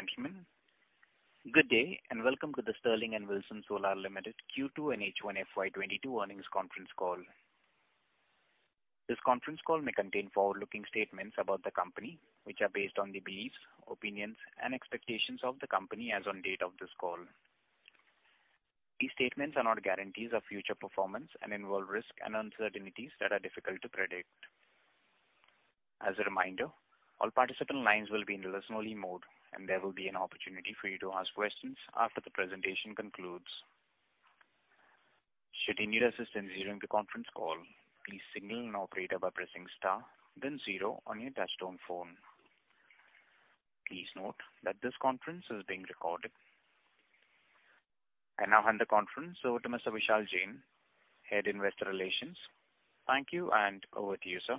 Ladies and gentlemen, good day, and welcome to the Sterling and Wilson Solar Limited Q2 and H1 FY 2022 Earnings Conference Call. This Conference Call may contain forward-looking statements about the company, which are based on the beliefs, opinions and expectations of the company as on date of this call. These statements are not guarantees of future performance and involve risks and uncertainties that are difficult to predict. As a reminder, all participant lines will be in listen only mode, and there will be an opportunity for you to ask questions after the presentation concludes. Should you need assistance during the Conference Call, please signal an operator by pressing star then zero on your touchtone phone. Please note that this conference is being recorded. I now hand the conference over to Mr. Vishal Jain, Head, Investor Relations. Thank you, and over to you, sir.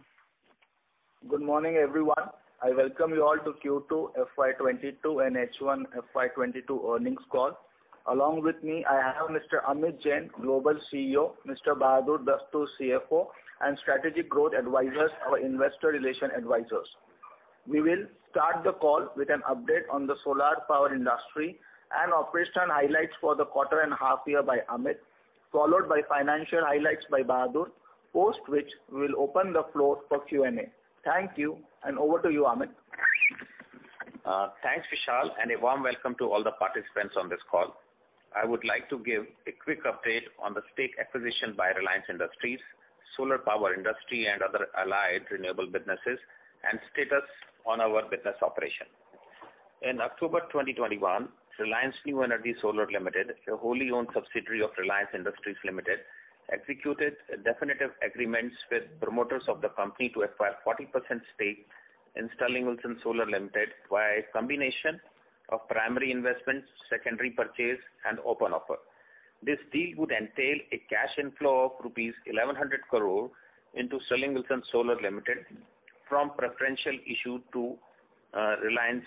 Good morning, everyone. I welcome you all to Q2 FY 2022 and H1 FY 2022 earnings call. Along with me, I have Mr. Amit Jain, Global CEO, Mr. Bahadur Dastoor, CFO, and Strategic Growth Advisors, our Investor Relations advisors. We will start the call with an update on the solar power industry and operational highlights for the quarter and half year by Amit, followed by financial highlights by Bahadur. Post which, we will open the floor for Q&A. Thank you, and over to you, Amit. Thanks, Vishal, and a warm welcome to all the participants on this call. I would like to give a quick update on the stake acquisition by Reliance Industries, solar power industry and other allied renewable businesses, and status on our business operation. In October 2021, Reliance New Energy Solar Limited, a wholly owned subsidiary of Reliance Industries Limited, executed definitive agreements with promoters of the company to acquire 40% stake in Sterling and Wilson Solar Limited via a combination of primary investments, secondary purchase and open offer. This deal would entail a cash inflow of rupees 1,100 crore into Sterling and Wilson Solar Limited from preferential issue to Reliance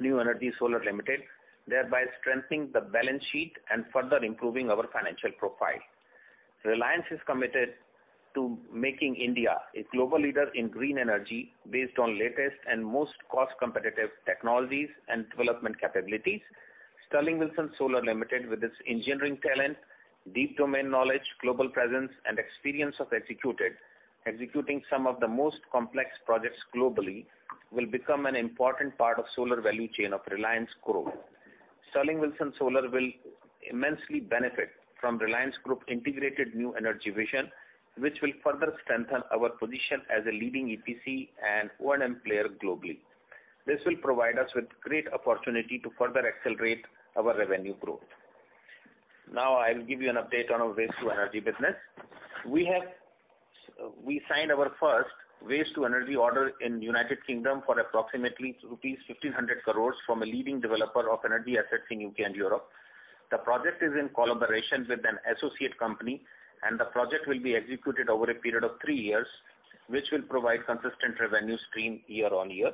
New Energy Solar Limited, thereby strengthening the balance sheet and further improving our financial profile. Reliance is committed to making India a global leader in green energy based on latest and most cost-competitive technologies and development capabilities. Sterling and Wilson Solar Limited, with its engineering talent, deep domain knowledge, global presence and experience of executing some of the most complex projects globally will become an important part of solar value chain of Reliance Group. Sterling and Wilson Solar will immensely benefit from Reliance Group integrated new energy vision, which will further strengthen our position as a leading EPC and O&M player globally. This will provide us with great opportunity to further accelerate our revenue growth. Now I'll give you an update on our waste to energy business. We signed our first waste to energy order in United Kingdom for approximately rupees 1,500 crores from a leading developer of energy assets in U.K. and Europe. The project is in collaboration with an associate company, and the project will be executed over a period of three years, which will provide consistent revenue stream year-on-year.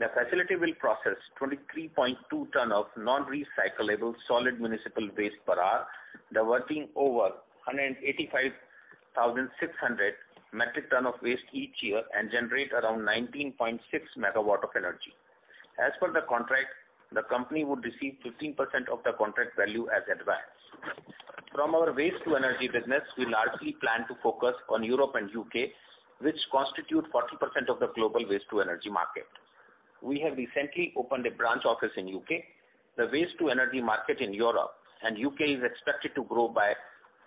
The facility will process 23.2 tonnes of non-recyclable solid municipal waste per hour, diverting over 185,600 metric tons of waste each year and generate around 19.6 MW of energy. As per the contract, the company would receive 15% of the contract value as advance. From our waste-to-energy business, we largely plan to focus on Europe and U.K., which constitute 40% of the global waste-to-energy market. We have recently opened a branch office in U.K. The waste-to-energy market in Europe and U.K. is expected to grow by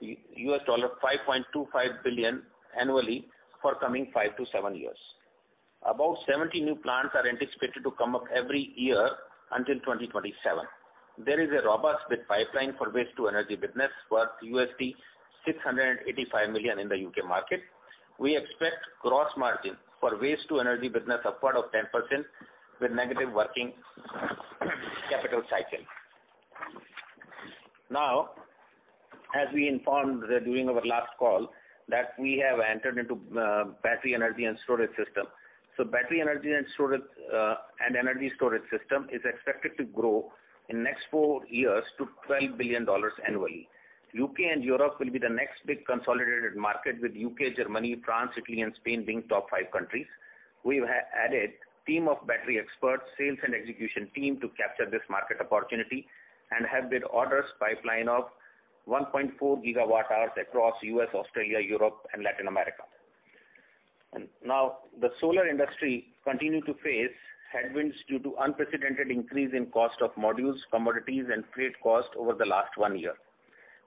$5.25 billion annually for coming 5-7 years. About 70 new plants are anticipated to come up every year until 2027. There is a robust bid pipeline for waste-to-energy business worth $685 million in the U.K. market. We expect gross margin for waste-to-energy business upward of 10% with negative working capital cycle. Now, as we informed during our last call, we have entered into battery energy storage system. Battery energy storage system is expected to grow in next four years to $12 billion annually. U.K. and Europe will be the next big consolidated market with U.K., Germany, France, Italy and Spain being top five countries. We have added team of battery experts, sales and execution team to capture this market opportunity and have bid orders pipeline of 1.4 gigawatt hours across U.S., Australia, Europe and Latin America. Now, the solar industry continue to face headwinds due to unprecedented increase in cost of modules, commodities and freight costs over the last one year.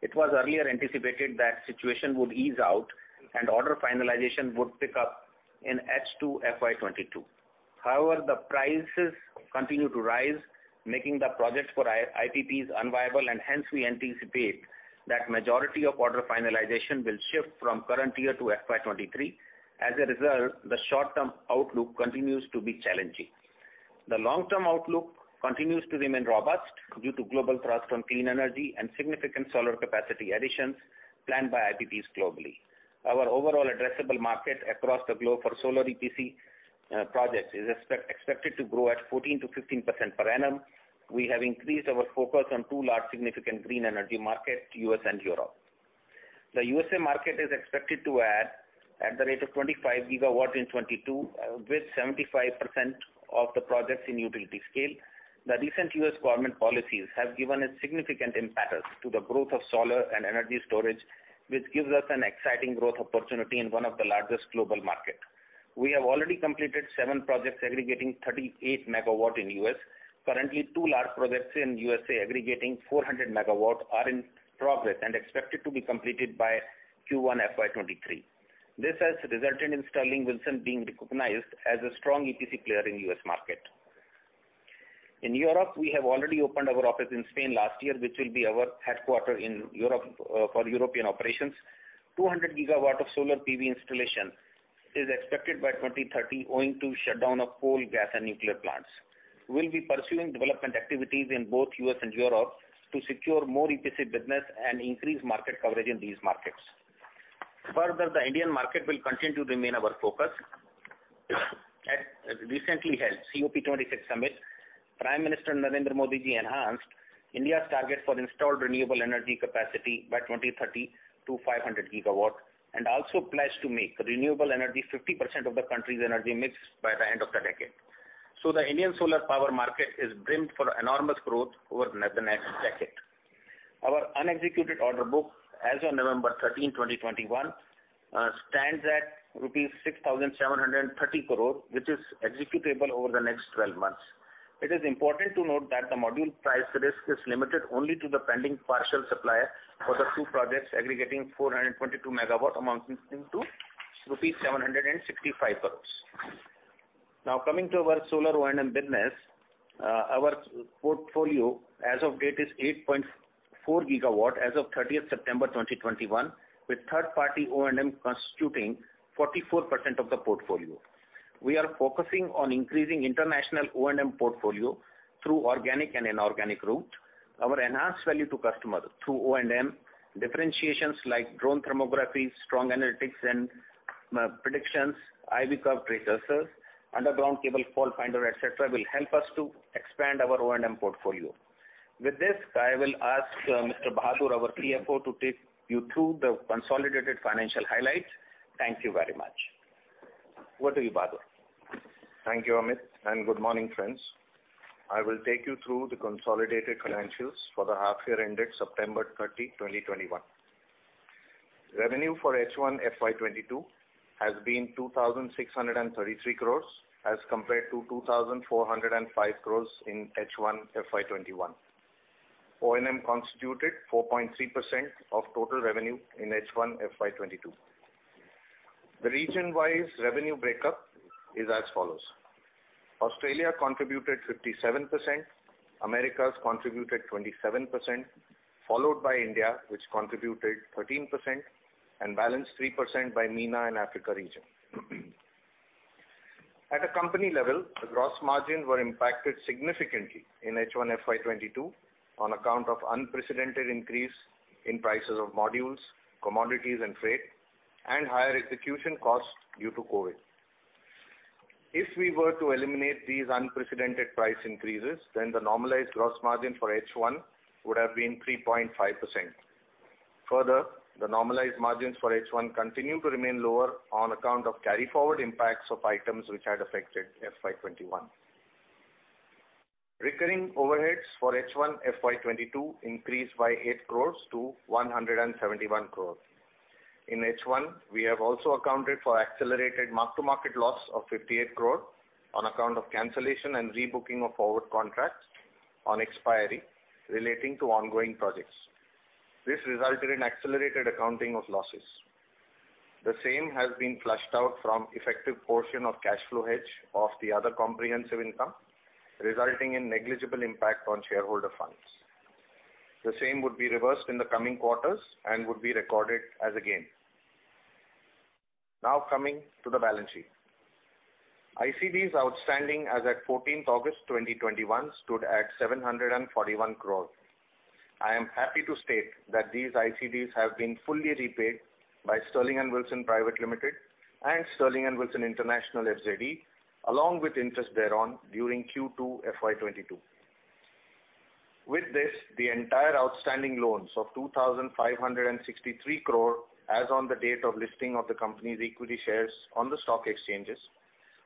It was earlier anticipated that situation would ease out and order finalization would pick up in H2 FY 2022. However, the prices continue to rise, making the projects for IPPs unviable and hence we anticipate that majority of order finalization will shift from current year to FY 2023. As a result, the short-term outlook continues to be challenging. The long-term outlook continues to remain robust due to global thrust on clean energy and significant solar capacity additions planned by IPPs globally. Our overall addressable market across the globe for solar EPC projects is expected to grow at 14%-15% per annum. We have increased our focus on two large significant green energy markets, U.S. and Europe. The U.S. market is expected to add at the rate of 25 GW in 2022 with 75% of the projects in utility scale. The recent U.S. government policies have given a significant impetus to the growth of solar and energy storage, which gives us an exciting growth opportunity in one of the largest global market. We have already completed 7 projects aggregating 38 MW in U.S. Currently, 2 large projects in U.S. aggregating 400 MW are in progress and expected to be completed by Q1 FY 2023. This has resulted in Sterling Wilson being recognized as a strong EPC player in U.S. market. In Europe, we have already opened our office in Spain last year, which will be our headquarters in Europe for European operations. 200 GW of solar PV installation is expected by 2030 owing to shutdown of coal, gas and nuclear plants. We'll be pursuing development activities in both U.S. and Europe to secure more EPC business and increase market coverage in these markets. Further, the Indian market will continue to remain our focus. At recently held COP26 summit, Prime Minister Narendra Modi enhanced India's target for installed renewable energy capacity by 2030 to 500 GW, and also pledged to make renewable energy 50% of the country's energy mix by the end of the decade. The Indian solar power market is primed for enormous growth over the next decade. Our unexecuted order book as of November 13, 2021, stands at rupees 6,730 crore, which is executable over the next 12 months. It is important to note that the module price risk is limited only to the pending partial supply for the two projects aggregating 422 MW amounting to rupees 765 crores. Now coming to our solar O&M business, our portfolio as of date is 8.4 GW as of 30th September 2021, with third-party O&M constituting 44% of the portfolio. We are focusing on increasing international O&M portfolio through organic and inorganic route. Our enhanced value to customer through O&M differentiations like drone thermography, strong analytics and predictions, I-V curve tracers, underground cable fault finder, et cetera, will help us to expand our O&M portfolio. With this, I will ask Mr. Bahadur Dastoor, our CFO, to take you through the consolidated financial highlights. Thank you very much. Over to you, Bahadur Dastoor. Thank you, Amit, and good morning, friends. I will take you through the consolidated financials for the half year ended September 30, 2021. Revenue for H1 FY 2022 has been 2,633 crores as compared to 2,405 crores in H1 FY 2021. O&M constituted 4.3% of total revenue in H1 FY 2022. The region-wise revenue breakup is as follows. Australia contributed 57%, Americas contributed 27%, followed by India, which contributed 13%, and balanced 3% by MENA and Africa region. At a company level, the gross margin were impacted significantly in H1 FY 2022 on account of unprecedented increase in prices of modules, commodities and freight, and higher execution costs due to COVID. If we were to eliminate these unprecedented price increases, then the normalized gross margin for H1 would have been 3.5%. Further, the normalized margins for H1 continue to remain lower on account of carry forward impacts of items which had affected FY 2021. Recurring overheads for H1 FY 2022 increased by 8 crore rupees to 171 crore rupees. In H1, we have also accounted for accelerated mark-to-market loss of 58 crore rupees on account of cancellation and rebooking of forward contracts on expiry relating to ongoing projects. This resulted in accelerated accounting of losses. The same has been flushed out from effective portion of cash flow hedge of the other comprehensive income, resulting in negligible impact on shareholder funds. The same would be reversed in the coming quarters and would be recorded as a gain. Now coming to the balance sheet. ICDs outstanding as at 14 August 2021 stood at 741 crore. I am happy to state that these ICDs have been fully repaid by Sterling and Wilson Private Limited and Sterling and Wilson International FZE, along with interest thereon during Q2 FY 2022. With this, the entire outstanding loans of 2,563 crore as on the date of listing of the company's equity shares on the stock exchanges,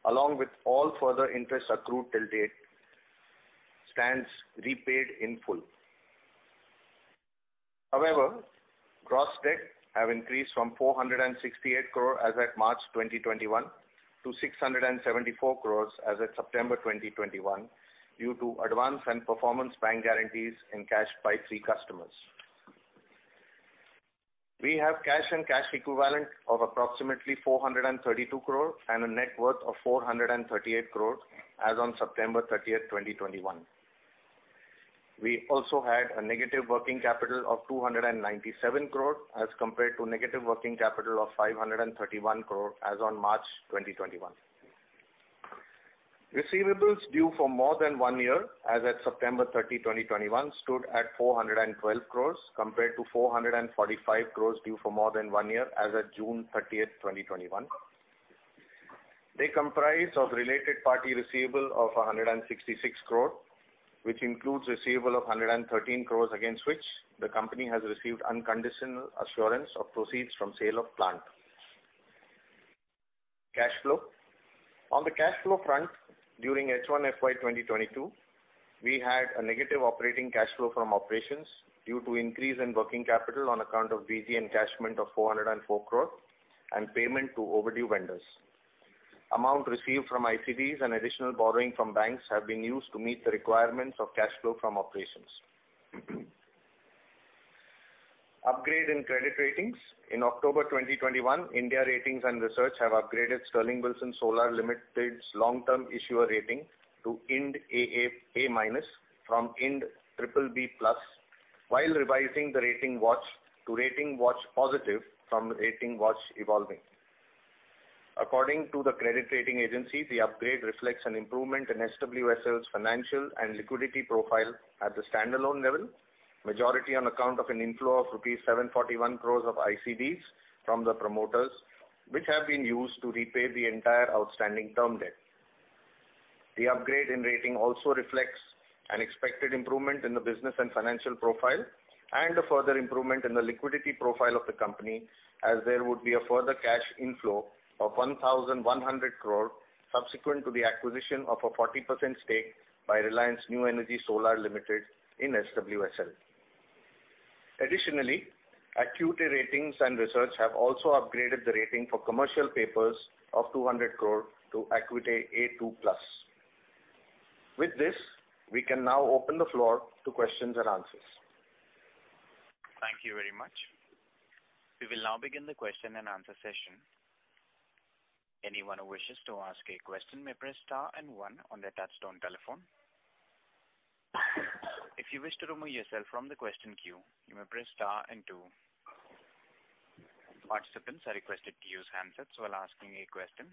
along with all further interest accrued till date, stands repaid in full. However, gross debt have increased from 468 crore as at March 2021 to 674 crores as at September 2021 due to advances and performance bank guarantees encashed by three customers. We have cash and cash equivalent of approximately 432 crore and a net worth of 438 crore as on September 30, 2021. We also had a negative working capital of 297 crore as compared to negative working capital of 531 crore as on March 2021. Receivables due for more than one year as at September 30, 2021 stood at 412 crores compared to 445 crores due for more than one year as at June 30, 2021. They comprise of related party receivable of 166 crore, which includes receivable of 113 crores against which the company has received unconditional assurance of proceeds from sale of plant. Cash flow. On the cash flow front, during H1 FY 2022, we had a negative operating cash flow from operations due to increase in working capital on account of BG encashment of 404 crore and payment to overdue vendors. Amount received from ICDs and additional borrowing from banks have been used to meet the requirements of cash flow from operations. Upgrade in credit ratings. In October 2021, India Ratings and Research have upgraded Sterling and Wilson Solar Limited's long-term issuer rating to IND AAA- from IND BBB+ while revising the rating watch to rating watch positive from rating watch developing. According to the credit rating agency, the upgrade reflects an improvement in SWSL's financial and liquidity profile at the standalone level, majority on account of an inflow of rupees 741 crore of ICDs from the promoters, which have been used to repay the entire outstanding term debt. The upgrade in rating also reflects an expected improvement in the business and financial profile and a further improvement in the liquidity profile of the company, as there would be a further cash inflow of 1,100 crore subsequent to the acquisition of a 40% stake by Reliance New Energy Solar Limited in SWSL. Additionally, Acuité Ratings & Research have also upgraded the rating for commercial papers of 200 crore to Acuité A2+. With this, we can now open the floor to questions and answers. Thank you very much. We will now begin the question-and-answer session. Anyone who wishes to ask a question may press star and one on their touch-tone telephone. If you wish to remove yourself from the question queue, you may press star and two. Participants are requested to use handsets while asking a question.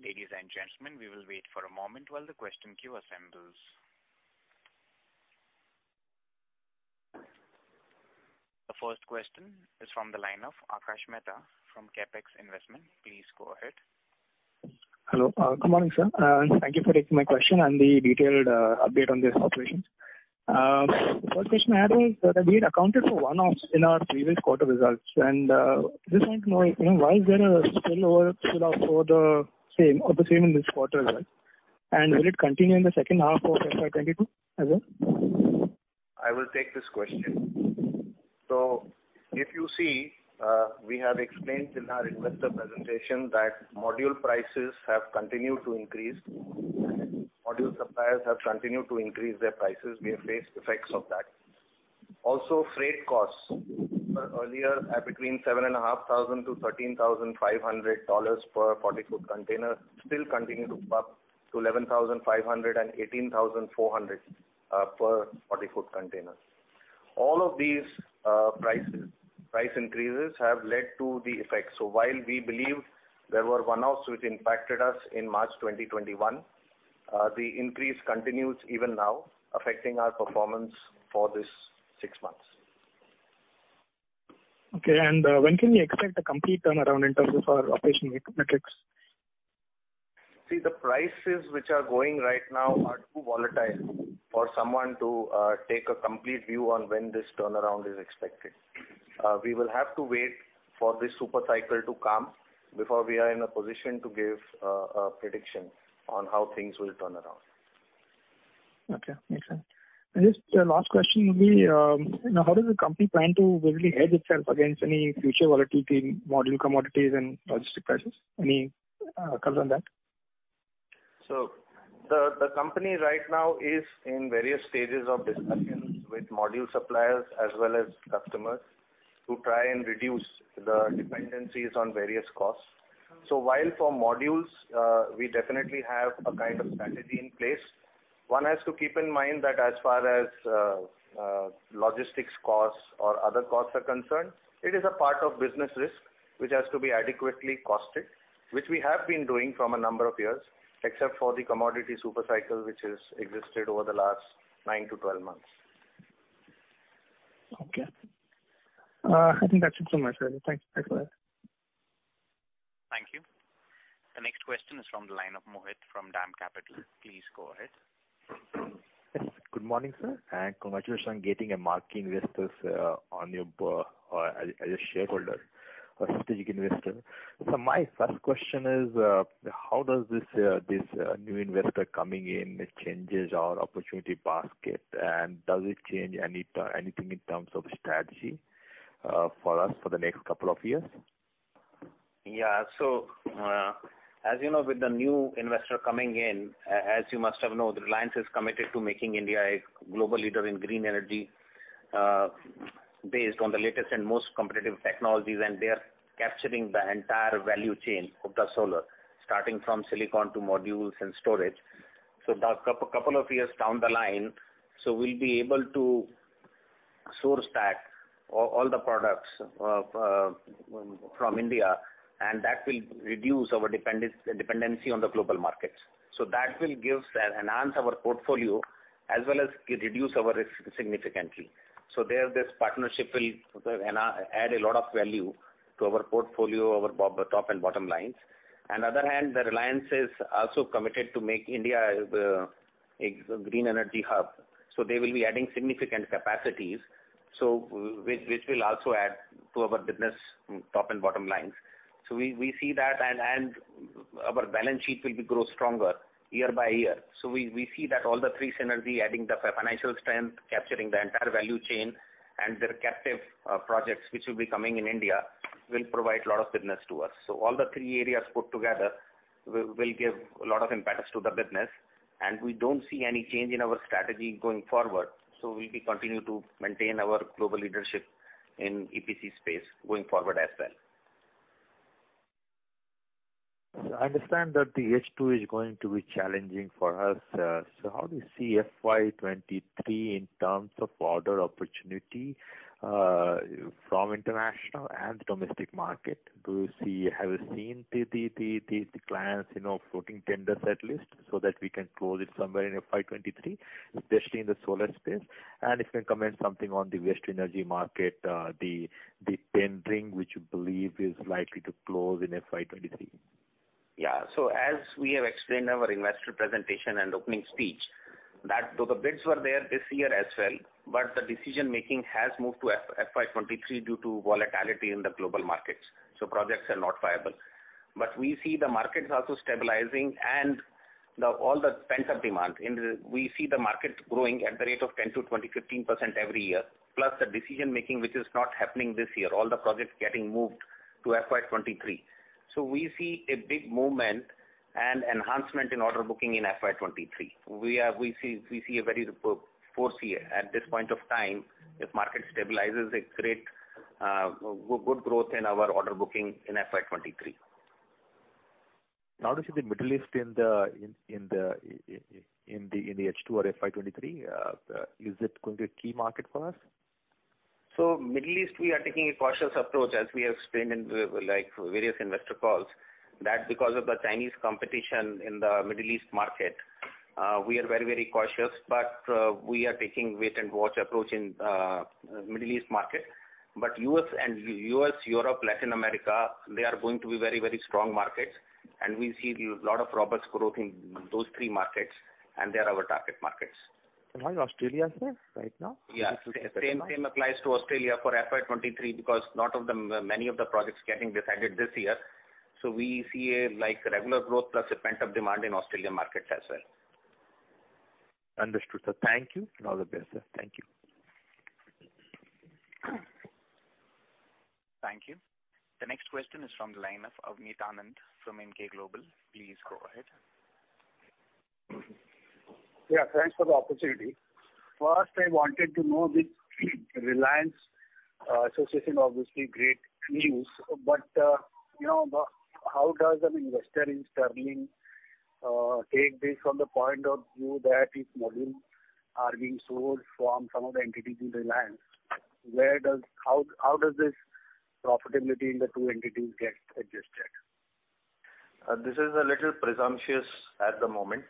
Ladies and gentlemen, we will wait for a moment while the question queue assembles. The first question is from the line of Akash Mehta from CapEx Investment. Please go ahead. Hello. Good morning, sir. Thank you for taking my question and the detailed update on this operations. First question I had was that we had accounted for one-offs in our previous quarter results. Just want to know, you know, why is there a spillover for the same in this quarter result? Will it continue in the second half of FY 2022 as well? I will take this question. If you see, we have explained in our investor presentation that module prices have continued to increase. Module suppliers have continued to increase their prices. We have faced effects of that. Also, freight costs earlier at between $7,500-$13,500 per forty-foot container still continue to pop to $11,500-$18,400 per forty-foot container. All of these prices, price increases have led to the effect. While we believe there were one-offs which impacted us in March 2021, the increase continues even now, affecting our performance for this six months. Okay. When can we expect a complete turnaround in terms of our operational metrics? See, the prices which are going right now are too volatile for someone to take a complete view on when this turnaround is expected. We will have to wait for this super cycle to come before we are in a position to give a prediction on how things will turn around. Okay. Makes sense. Just a last question will be, how does the company plan to really hedge itself against any future volatility in module commodities and logistics prices? Any, color on that? The company right now is in various stages of discussions with module suppliers as well as customers to try and reduce the dependencies on various costs. While for modules, we definitely have a kind of strategy in place, one has to keep in mind that as far as logistics costs or other costs are concerned, it is a part of business risk which has to be adequately costed, which we have been doing from a number of years, except for the commodity super cycle, which has existed over the last 9-12 months. Okay. I think that's it from my side. Thanks. Thanks a lot. Thank you. The next question is from the line of Mohit from DAM Capital. Please go ahead. Yes. Good morning, sir, and congratulations on getting a marquee investors on your board or as a shareholder or strategic investor. My first question is, how does this new investor coming in changes our opportunity basket, and does it change anything in terms of strategy for us for the next couple of years? Yeah. As you know, with the new investor coming in, as you must have known, Reliance is committed to making India a global leader in green energy, based on the latest and most competitive technologies, and they are capturing the entire value chain of the solar, starting from silicon to modules and storage. About a couple of years down the line, we'll be able to source all the products from India, and that will reduce our dependency on the global markets. That will give and enhance our portfolio as well as reduce our risk significantly. There, this partnership will add a lot of value to our portfolio, our top-and-bottom lines. On the other hand, Reliance is also committed to make India as a green energy hub. They will be adding significant capacities, which will also add to our business top-and-bottom lines. We see that and our balance sheet will grow stronger year-by-year. We see that all the three synergy adding the financial strength, capturing the entire value chain and their captive projects which will be coming in India will provide a lot of business to us. All the three areas put together will give a lot of impetus to the business, and we don't see any change in our strategy going forward. We'll continue to maintain our global leadership in EPC space going forward as well. I understand that the H2 is going to be challenging for us. How do you see FY 2023 in terms of order opportunity from international and domestic market? Have you seen the clients, you know, floating tenders at least so that we can close it somewhere in FY 2023, especially in the solar space? If you can comment something on the waste-to-energy market, the tendering which you believe is likely to close in FY 2023. As we have explained our investor presentation and opening speech, that though the bids were there this year as well, the decision making has moved to FY 2023 due to volatility in the global markets, so projects are not viable. We see the markets also stabilizing and all the pent-up demand in the. We see the market growing at the rate of 10% to 15%-20% every year. Plus the decision making, which is not happening this year. All the projects getting moved to FY 2023. We see a big movement and enhancement in order booking in FY 2023. We see a very foreseeable at this point of time, if market stabilizes a great good growth in our order booking in FY 2023. How does the Middle East in the H2 or FY 2023 is it going to be a key market for us? Middle East, we are taking a cautious approach as we have explained in like various investor calls, that because of the Chinese competition in the Middle East market, we are very, very cautious, but we are taking wait and watch approach in Middle East market. U.S., Europe, Latin America, they are going to be very, very strong markets and we see lot of robust growth in those three markets, and they are our target markets. How is Australia's space right now? Yeah. Same applies to Australia for FY 2023 because a lot of the projects getting decided this year. We see, like, regular growth plus a pent-up demand in Australian markets as well. Understood, sir. Thank you. All the best, sir. Thank you. Thank you. The next question is from the line of Avneesh Anand from NK Global. Please go ahead. Yeah, thanks for the opportunity. First, I wanted to know which Reliance association, obviously great news, but you know, how does an investor in Sterling take this from the point of view that its modules are being sourced from some of the entities in Reliance? How does this profitability in the two entities get adjusted? This is a little presumptuous at the moment.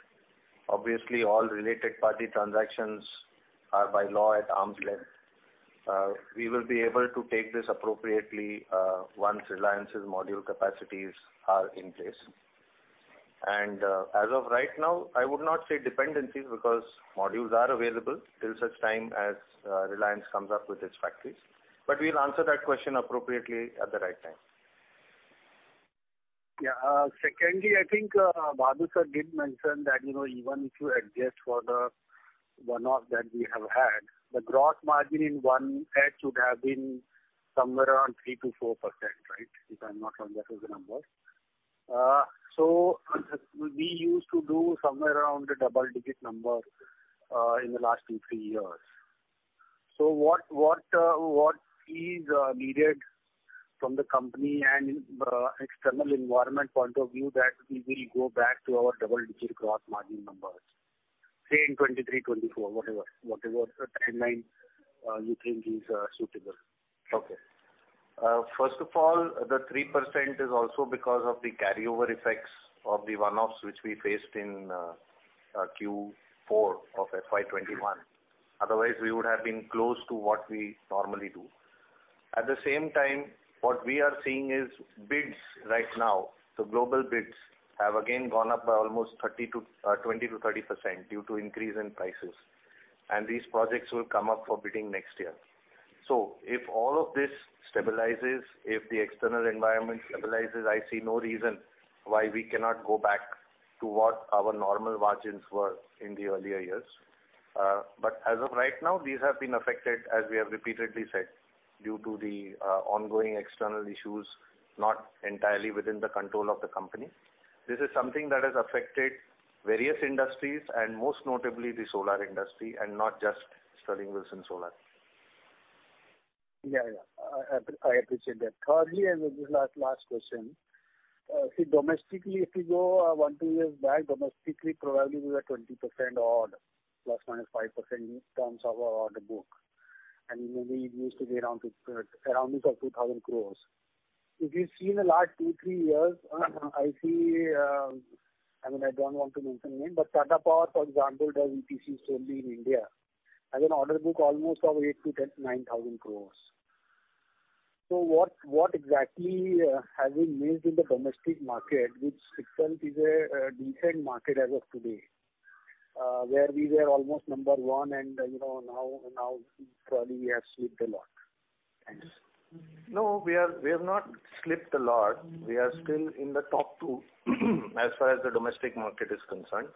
Obviously, all related party transactions are by law at arm's length. We will be able to take this appropriately once Reliance's module capacities are in place. As of right now, I would not say dependencies, because modules are available till such time as Reliance comes up with its factories. We'll answer that question appropriately at the right time. Yeah. Secondly, I think, Bahadur sir did mention that, you know, even if you adjust for the one-off that we have had, the gross margin in 1H would have been somewhere around 3%-4%, right? If I'm not wrong, that was the number. So we used to do somewhere around a double-digits number in the last two, three years. What is needed from the company and external environment point of view that we will go back to our double-digits gross margin numbers? Say in 2023, 2024, whatever timeline you think is suitable. Okay. First of all, the 3% is also because of the carryover effects of the one-offs which we faced in Q4 of FY 2021. Otherwise, we would have been close to what we normally do. At the same time, what we are seeing is bids right now. The global bids have again gone up by almost 20%-30% due to increase in prices. These projects will come up for bidding next year. If all of this stabilizes, if the external environment stabilizes, I see no reason why we cannot go back to what our normal margins were in the earlier years. As of right now, these have been affected, as we have repeatedly said, due to the ongoing external issues, not entirely within the control of the company. This is something that has affected various industries and most notably the solar industry and not just Sterling and Wilson Solar. I appreciate that. Thirdly, this is the last question. See, domestically, if you go 1-2 years back domestically, probably we were 20% odd ±5% in terms of our order book. We used to be around 2,000 crore. If you see in the last 2-3 years, I see, I mean, I don't want to mention names, but Tata Power, for example, does EPC solely in India, has an order book almost of 8,000-9,000 crore. What exactly have we missed in the domestic market, which itself is a decent market as of today, where we were almost number one and, you know, now probably we have slipped a lot. Thanks. No, we have not slipped a lot. We are still in the top two as far as the domestic market is concerned.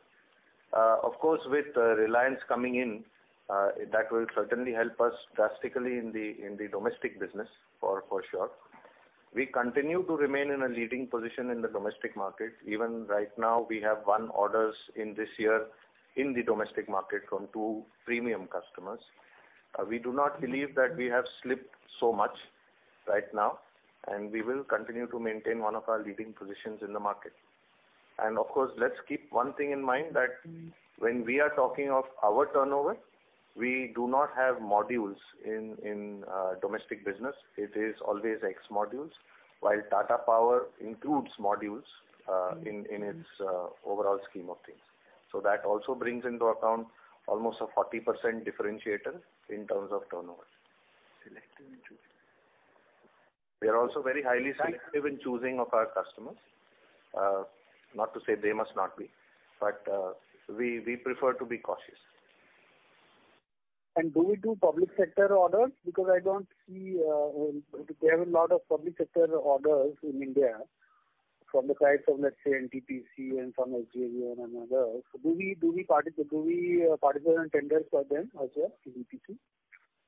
Of course with Reliance coming in, that will certainly help us drastically in the domestic business for sure. We continue to remain in a leading position in the domestic market. Even right now, we have won orders in this year in the domestic market from two premium customers. We do not believe that we have slipped so much right now, and we will continue to maintain one of our leading positions in the market. Of course, let's keep one thing in mind that when we are talking of our turnover, we do not have modules in domestic business. It is always ex-modules, while Tata Power includes modules in its overall scheme of things. That also brings into account almost a 40% differentiator in terms of turnover. Selective in choosing. We are also very highly selective in choosing of our customers. Not to say they must not be, but we prefer to be cautious. Do we do public sector orders? Because I don't see we have a lot of public sector orders in India from the likes of, let's say, NTPC and from SJVN and others. Do we participate in tenders for them as well, EPC?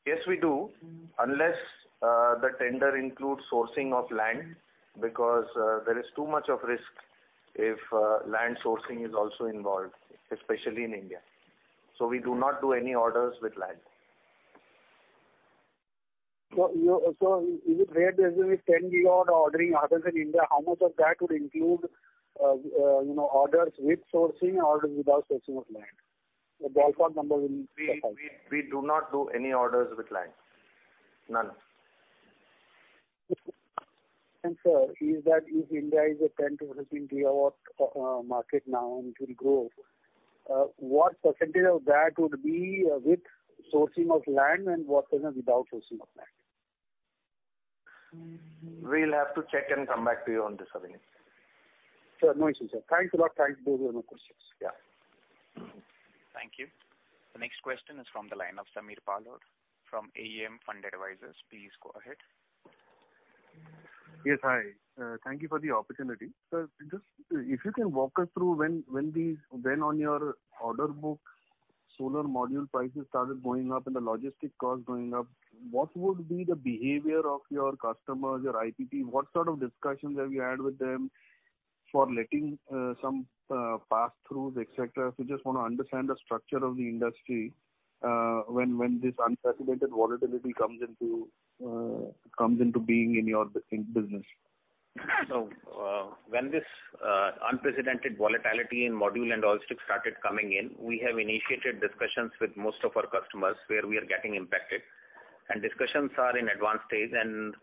Yes, we do. Unless the tender includes sourcing of land, because there is too much of risk if land sourcing is also involved, especially in India. We do not do any orders with land. With 10 GW of outstanding orders in India, how much of that would include, you know, orders with sourcing and orders without sourcing of land? A ballpark number will suffice. We do not do any orders with land. None. Sir, is that if India is a 10-15 GW market now and it will grow, what percentage of that would be with sourcing of land and what percentage without sourcing of land? We'll have to check and come back to you on this, Avneesh. Sure. No issues, sir. Thanks a lot. Thanks. Those were my questions. Yeah. Thank you. The next question is from the line of Samir Palod from AUM Fund Advisors. Please go ahead. Yes, hi. Thank you for the opportunity. Sir, just if you can walk us through when on your order book solar module prices started going up and the logistics costs going up, what would be the behavior of your customers or IPP? What sort of discussions have you had with them for letting some pass-throughs, et cetera? Just want to understand the structure of the industry when this unprecedented volatility comes into being in your business. When this unprecedented volatility in module and polysilicon started coming in, we have initiated discussions with most of our customers where we are getting impacted. Discussions are in advanced stage and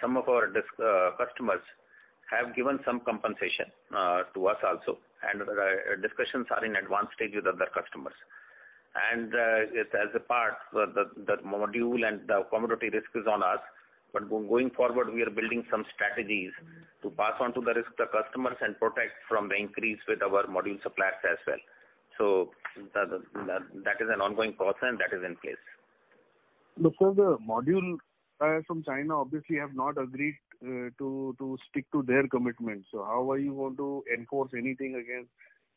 some of our customers have given some compensation to us also. The discussions are in advanced stage with other customers. As part, the module and the commodity risk is on us. Going forward, we are building some strategies to pass on the risk to customers and protect from the increase with our module suppliers as well. That is an ongoing process and that is in place. Look, sir, the module from China obviously have not agreed to stick to their commitments. How are you going to enforce anything against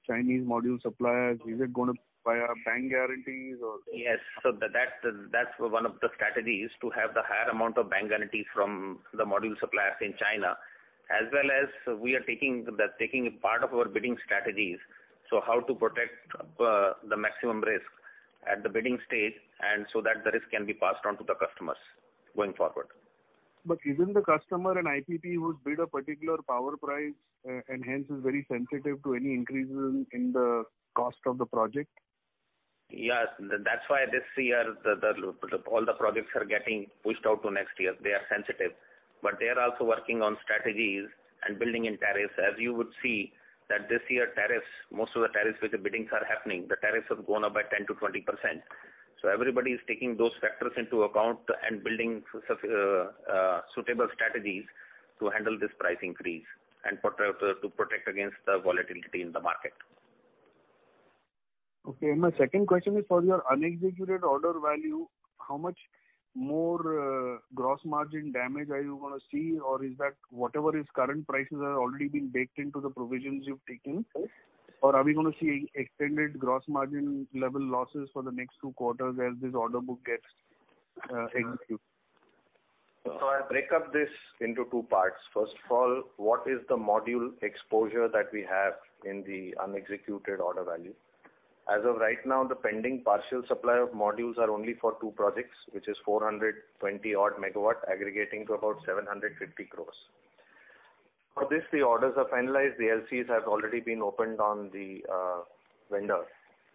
Chinese module suppliers? Is it gonna via bank guarantees or? Yes. That's one of the strategies, to have the higher amount of bank guarantees from the module suppliers in China. As well as we are taking a part of our bidding strategies, so how to protect the maximum risk at the bidding stage, and so that the risk can be passed on to the customers going forward. Isn't the customer an IPP who's bid a particular power price, and hence is very sensitive to any increases in the cost of the project? Yes. That's why this year all the projects are getting pushed out to next year. They are sensitive. They are also working on strategies and building in tariffs. As you would see that this year tariffs, most of the tariffs with the biddings are happening. The tariffs have gone up by 10%-20%. Everybody is taking those factors into account and building suitable strategies to handle this price increase and to protect against the volatility in the market. Okay. My second question is for your unexecuted order value, how much more gross margin damage are you gonna see? Or is that whatever the current prices are already being baked into the provisions you've taken? Yes. Are we gonna see extended gross margin level losses for the next two quarters as this order book gets, executed? I'll break up this into two parts. First of all, what is the module exposure that we have in the unexecuted order value? As of right now, the pending partial supply of modules are only for two projects, which is 420-odd MW aggregating to about 750 crores. For this, the orders are finalized. The LCs have already been opened on the vendor.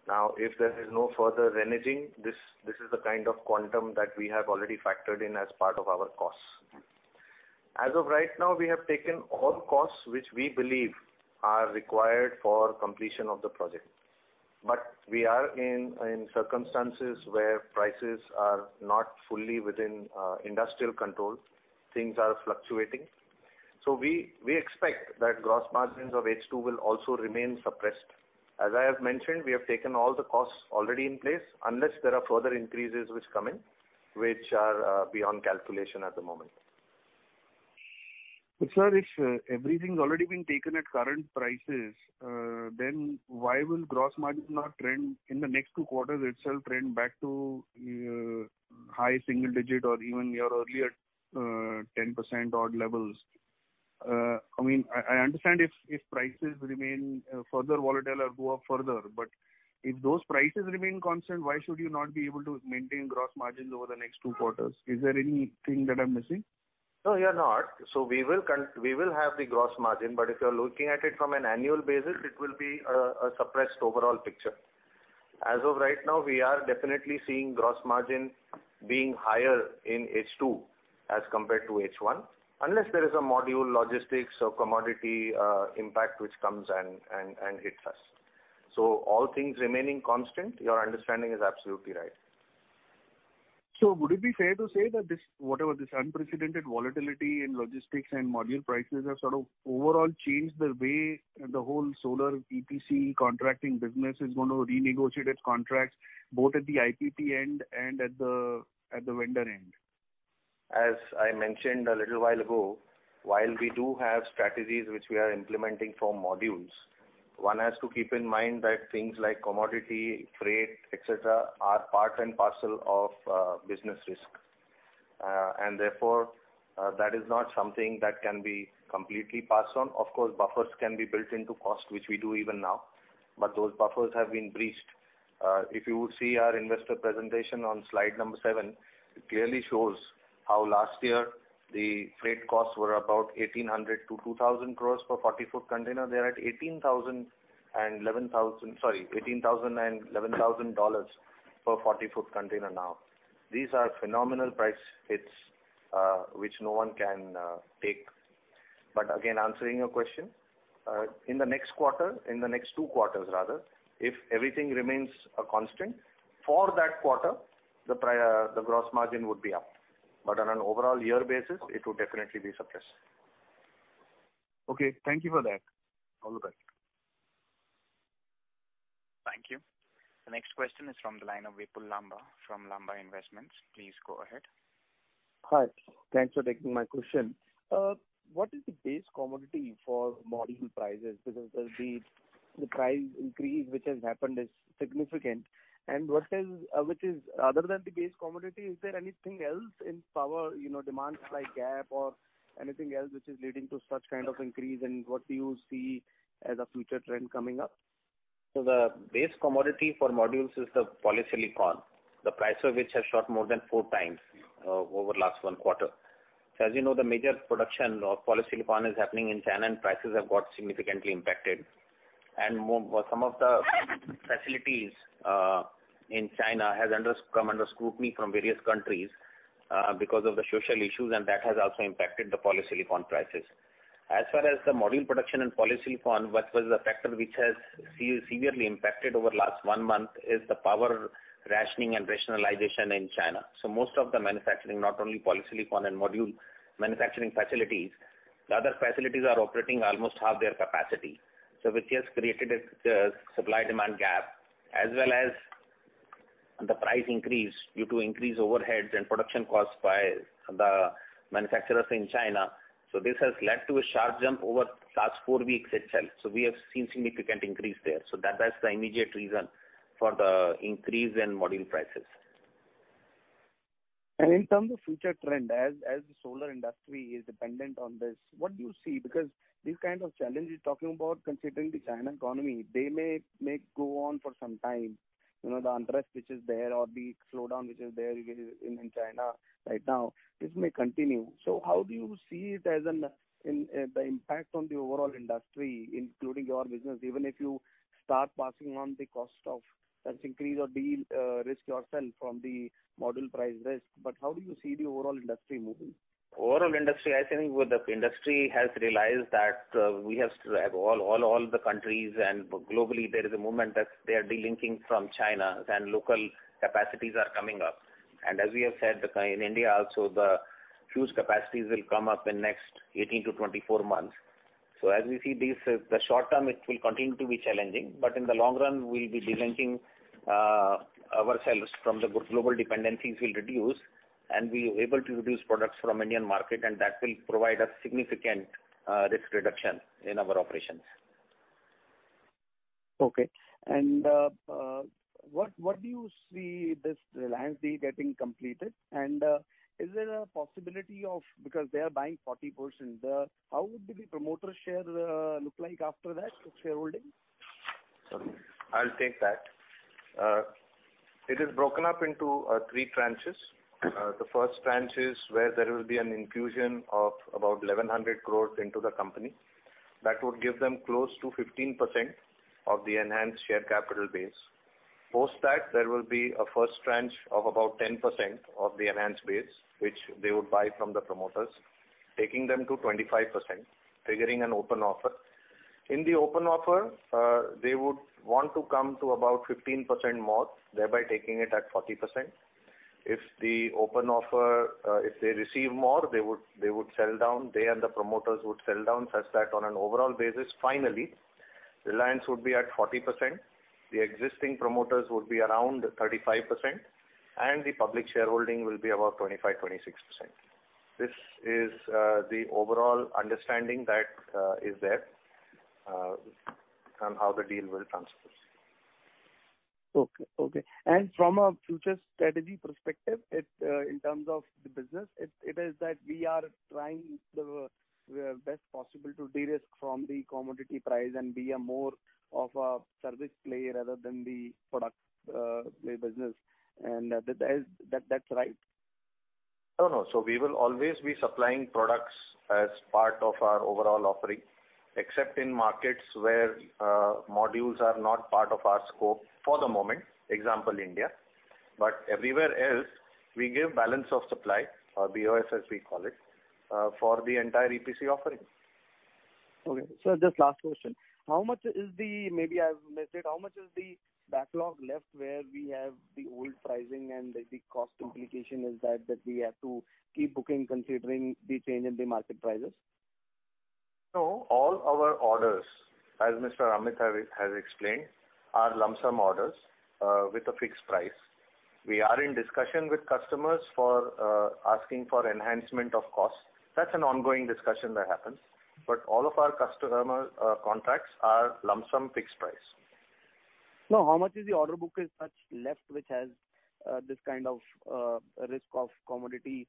Now, if there is no further reneging, this is the kind of quantum that we have already factored in as part of our costs. As of right now, we have taken all costs which we believe are required for completion of the project. But we are in circumstances where prices are not fully within our control. Things are fluctuating. We expect that gross margins of H2 will also remain suppressed. As I have mentioned, we have taken all the costs already in place unless there are further increases which come in, which are beyond calculation at the moment. Sir, if everything's already been taken at current prices, then why will gross margin not trend in the next two quarters itself back to high single-digit or even your earlier 10% odd levels? I mean, I understand if prices remain further volatile or go up further, but if those prices remain constant, why should you not be able to maintain gross margins over the next two quarters? Is there anything that I'm missing? No, you're not. We will have the gross margin, but if you're looking at it from an annual basis, it will be a suppressed overall picture. As of right now, we are definitely seeing gross margin being higher in H2 as compared to H1, unless there is a module, logistics or commodity impact which comes and hits us. All things remaining constant, your understanding is absolutely right. Would it be fair to say that this, whatever this unprecedented volatility in logistics and module prices have sort of overall changed the way the whole solar EPC contracting business is going to renegotiate its contracts, both at the IPP end and at the vendor end? As I mentioned a little while ago, while we do have strategies which we are implementing for modules, one has to keep in mind that things like commodity, freight, et cetera, are part and parcel of business risk. Therefore, that is not something that can be completely passed on. Of course, buffers can be built into cost, which we do even now, but those buffers have been breached. If you see our investor presentation on slide 7, it clearly shows how last year the freight costs were about 1,800-2,000 crores per 40-foot container. They are at $11,000-$18,000 per 40-foot container now. These are phenomenal price hikes which no one can take. Again, answering your question, in the next quarter, in the next two quarters rather, if everything remains constant for that quarter, the gross margin would be up. On an overall year basis, it would definitely be suppressed. Okay, thank you for that. All the best. Thank you. The next question is from the line of Vipul Lamba from Lamba Investments. Please go ahead. Hi. Thanks for taking my question. What is the base commodity for module prices? Because the price increase which has happened is significant. What else, which is other than the base commodity, is there anything else in power, you know, demands like gap or anything else which is leading to such kind of increase? What do you see as a future trend coming up? The base commodity for modules is the polysilicon, the price of which has shot more than four times over last one quarter. As you know, the major production of polysilicon is happening in China, and prices have got significantly impacted. Some of the facilities in China has come under scrutiny from various countries because of the social issues, and that has also impacted the polysilicon prices. As far as the module production and polysilicon, what was the factor which has severely impacted over last one month is the power rationing and rationalization in China. Most of the manufacturing, not only polysilicon and module manufacturing facilities, the other facilities are operating almost half their capacity. Which has created a supply demand gap, as well as the price increase due to increased overheads and production costs by the manufacturers in China. This has led to a sharp jump over last 4 weeks itself. We have seen significant increase there. That is the immediate reason for the increase in module prices. In terms of future trend, as the solar industry is dependent on this, what do you see? Because these kind of challenges you're talking about considering the Chinese economy, they may go on for some time. You know, the unrest which is there or the slowdown which is there in China right now, this may continue. How do you see it as the impact on the overall industry, including your business, even if you start passing on the cost of that increase or the risk yourself from the module price risk, but how do you see the overall industry moving? Overall, the industry, I think, has realized that we have to have all the countries and globally there is a movement that they are delinking from China and local capacities are coming up. As we have said, in India also, the huge capacities will come up in next 18-24 months. As we see this, the short-term it will continue to be challenging, but in the long run, we'll be delinking ourselves from the global dependencies will reduce and we're able to source products from Indian market and that will provide a significant risk reduction in our operations. Okay. When do you see this Reliance deal getting completed? Is there a possibility because they are buying 40%, how would the promoter share look like after that, the shareholding? I'll take that. It is broken up into three tranches. The first tranche is where there will be an infusion of about 1,100 crore into the company. That would give them close to 15% of the enhanced share capital base. Post that, there will be a first tranche of about 10% of the enhanced base, which they would buy from the promoters, taking them to 25%, triggering an open offer. In the open offer, they would want to come to about 15% more, thereby taking it at 40%. If the open offer, if they receive more, they would sell down. They and the promoters would sell down such that on an overall basis, finally, Reliance would be at 40%, the existing promoters would be around 35%, and the public shareholding will be about 25-26%. This is the overall understanding that is there on how the deal will transpose. Okay. From a future strategy perspective, in terms of the business, it is that we are trying the best possible to de-risk from the commodity price and be more of a service player rather than the product play business, and that's right? No, no. We will always be supplying products as part of our overall offering, except in markets where modules are not part of our scope for the moment, example India. Everywhere else, we give balance of system, or BOS as we call it, for the entire EPC offering. Okay. Sir, just last question. Maybe I've missed it. How much is the backlog left where we have the old pricing and the cost implication is that we have to keep booking considering the change in the market prices? No, all our orders, as Mr. Amit has explained, are lump sum orders with a fixed price. We are in discussion with customers for asking for enhancement of costs. That's an ongoing discussion that happens. All of our customer contracts are lump sum fixed price. No, how much is the order book such left which has this kind of risk of commodity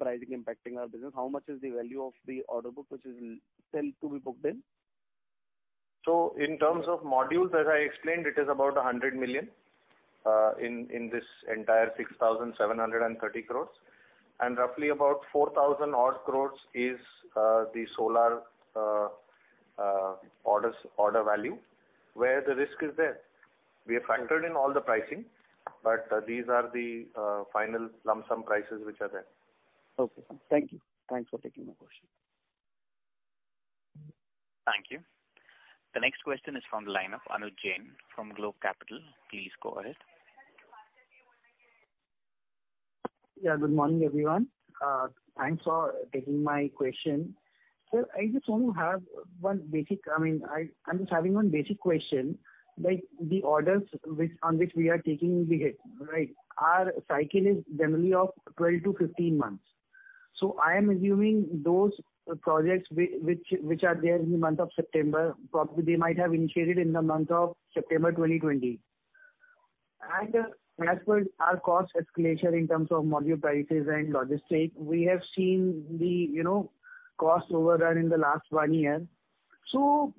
pricing impacting our business? How much is the value of the order book which is still to be booked in? In terms of modules, as I explained, it is about 100 million in this entire 6,730 crores. Roughly about 4,000-odd crores is the solar orders order value where the risk is there. We have factored in all the pricing, but these are the final lump sum prices which are there. Okay, sir. Thank you. Thanks for taking my question. Thank you. The next question is from the line of Anuj Jain from Globe Capital. Please go ahead. Yeah, good morning, everyone. Thanks for taking my question. Sir, I mean, I'm just having one basic question. Like, the orders which, on which we are taking the hit, right, our cycle is generally of 12-15 months. I am assuming those projects which are there in the month of September, probably they might have initiated in the month of September 2020. As per our cost escalation in terms of module prices and logistics, we have seen the, you know, cost overrun in the last one year.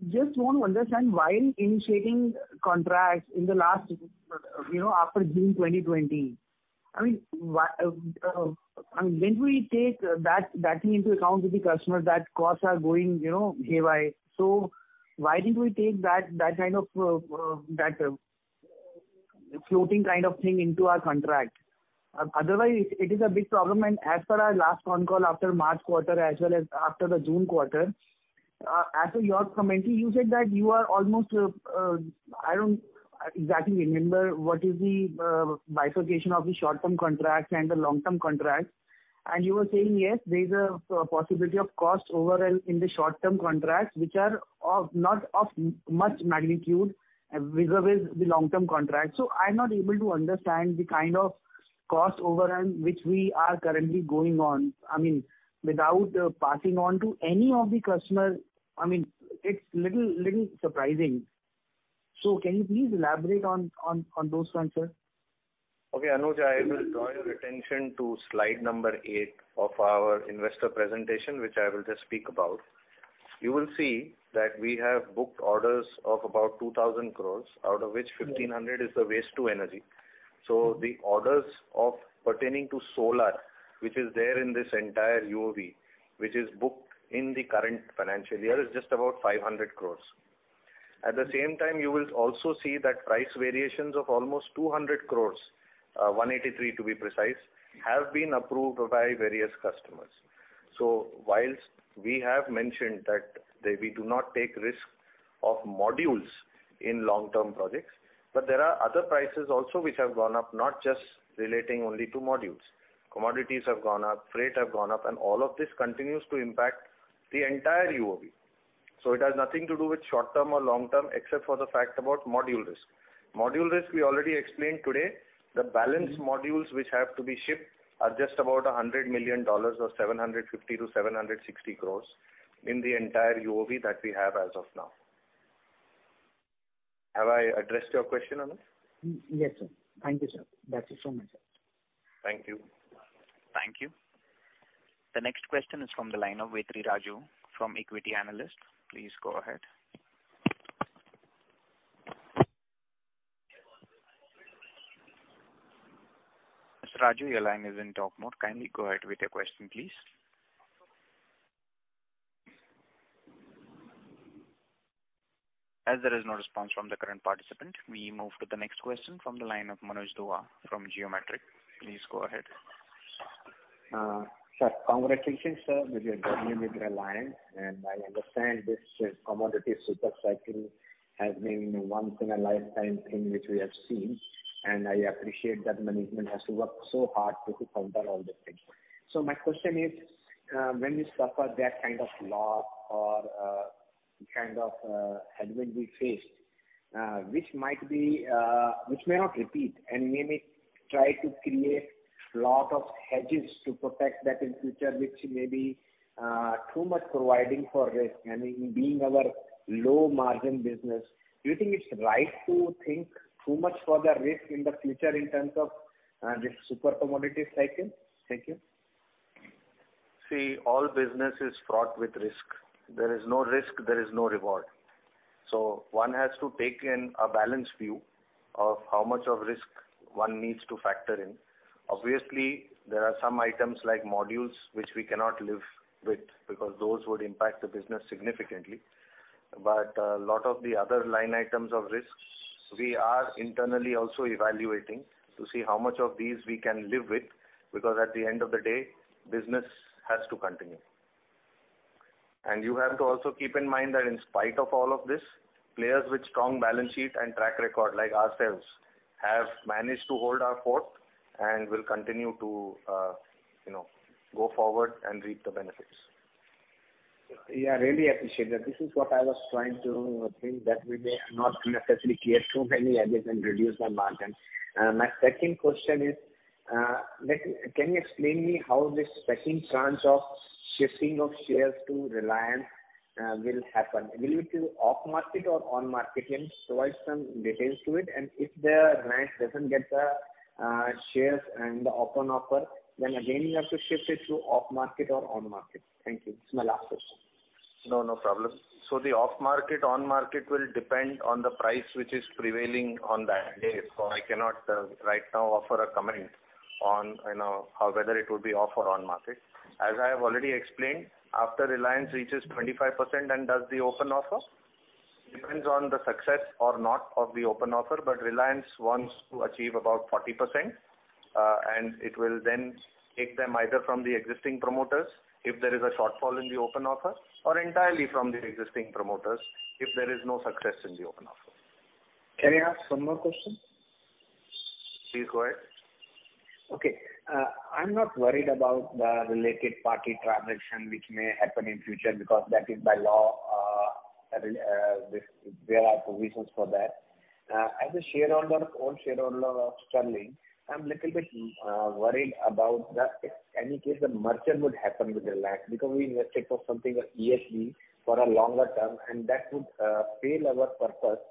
Just want to understand why initiating contracts in the last, you know, after June 2020. I mean, why, when we take that thing into account with the customer that costs are going, you know, haywire, why didn't we take that kind of floating kind of thing into our contract? Otherwise it is a big problem. As per our last phone call after March quarter as well as after the June quarter, as per your commentary, you said that you are almost, I don't exactly remember what is the bifurcation of the short-term contracts and the long-term contracts, and you were saying, yes, there is a possibility of cost overruns in the short-term contracts, which are not of much magnitude vis-à-vis the long-term contracts. I'm not able to understand the kind of cost overrun which we are currently going on. I mean, without passing on to any of the customers, I mean, it's little surprising. Can you please elaborate on those points, sir? Okay, Anuj. I will draw your attention to slide number 8 of our investor presentation, which I will just speak about. You will see that we have booked orders of about 2,000 crore, out of which 1,500 is the waste-to-energy. The orders pertaining to solar, which is there in this entire UOV, which is booked in the current financial year, is just about 500 crore. At the same time, you will also see that price variations of almost 200 crore, 183 to be precise, have been approved by various customers. While we have mentioned that they, we do not take risk of modules in long-term projects, but there are other prices also which have gone up, not just relating only to modules. Commodities have gone up, freight have gone up, and all of this continues to impact the entire UOV. It has nothing to do with short-term or long-term except for the fact about module risk. Module risk we already explained today. The balance modules which have to be shipped are just about $100 million or 750-760 crores in the entire UOV that we have as of now. Have I addressed your question, Anuj? Yes, sir. Thank you, sir. That's it from myself. Thank you. Thank you. The next question is from the line of Vetri Raju from Equity Analyst. Please go ahead. Mr. Raju, your line is in talk mode. Kindly go ahead with your question, please. As there is no response from the current participant, we move to the next question from the line of Manoj Dua from Geometric. Please go ahead. Sir, congratulations, sir, with your joining with Reliance. I understand this commodity super cycle has been a once in a lifetime thing which we have seen, and I appreciate that management has to work so hard to counter all these things. My question is, when you suffer that kind of loss or kind of headwind we faced, which may not repeat and we may try to create lot of hedges to protect that in future, which may be too much providing for risk. I mean, being our low margin business, do you think it's right to think too much for the risk in the future in terms of this super commodity cycle? Thank you. See, all business is fraught with risk. There is no risk, there is no reward. So one has to take in a balanced view of how much of risk one needs to factor in. Obviously, there are some items like modules which we cannot live with because those would impact the business significantly. But a lot of the other line items of risks, we are internally also evaluating to see how much of these we can live with because at the end of the day, business has to continue. You have to also keep in mind that in spite of all of this, players with strong balance sheet and track record like ourselves have managed to hold our fort and will continue to, you know, go forward and reap the benefits. Yeah, really appreciate that. This is what I was trying to think, that we may not necessarily create too many hedges and reduce our margins. My second question is, can you explain me how this second tranche of shifting of shares to Reliance will happen? Will it be off market or on market? Can you provide some details to it? If the Reliance doesn't get the shares and the open offer, then again, you have to shift it through off market or on market. Thank you. It's my last question. No, no problem. The off market/on market will depend on the price which is prevailing on that day. I cannot right now offer a comment on, you know, whether it would be off or on market. As I have already explained, after Reliance reaches 25% and does the open offer, depends on the success or not of the open offer. Reliance wants to achieve about 40%, and it will then take them either from the existing promoters, if there is a shortfall in the open offer, or entirely from the existing promoters if there is no success in the open offer. Can I ask one more question? Please go ahead. Okay. I'm not worried about the related party transaction which may happen in future because that is by law, there are provisions for that. As a shareholder, old shareholder of Sterling, I'm little bit worried about that if any case the merger would happen with Reliance because we invested for something with ESG for a longer term, and that would fail our purpose